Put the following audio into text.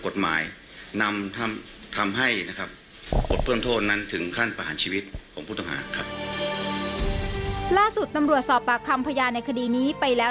ล่าสุดตำรวจสอบประคัมพยาในคดีนี้ไปแล้ว